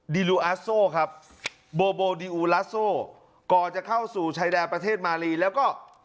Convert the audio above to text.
ลูอาสโซครับโบโบดิอูลาโซก่อนจะเข้าสู่ชายแดนประเทศมาลีแล้วก็